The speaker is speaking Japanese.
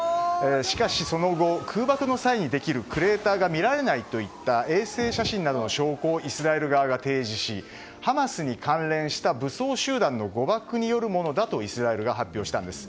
しかし、その後空爆の際にできるクレーターが見られないといった衛星写真などの証拠をイスラエル側が提示しハマスに関連した武装集団の誤爆によるものだとイスラエルが発表したんです。